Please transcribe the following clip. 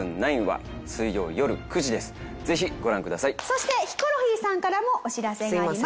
そしてヒコロヒーさんからもお知らせがあります。